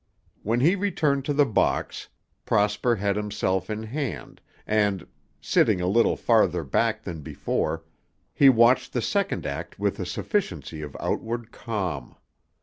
When he returned to the box, Prosper had himself in hand, and, sitting a little farther back than before, he watched the second act with a sufficiency of outward calm.